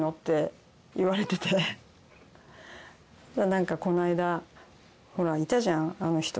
「なんかこの間ほらいたじゃんあの人」。